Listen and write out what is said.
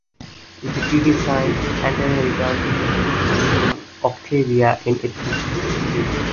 With the Treaty signed, Antony returned to the East, leaving Octavia in Italy.